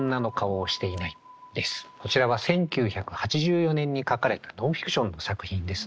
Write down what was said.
こちらは１９８４年に書かれたノンフィクションの作品ですね。